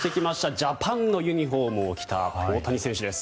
ジャパンのユニフォームを着た大谷選手です。